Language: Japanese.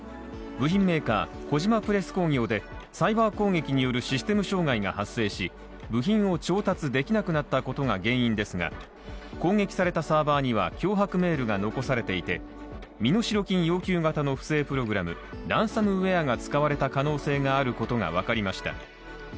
部品メーカー、小島プレス工業でサイバー攻撃によるシステム障害が発生し部品を調達できなくなったことが原因ですが攻撃されたサーバーには脅迫メールが残されていて、身代金要求型の不正プログラムランサムウェアが使われた可能性があることが分かりました。